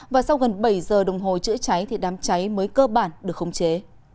và sau gần bảy giờ đồng hồ chữa cháy thì đám cháy mới cơ bản được khống chế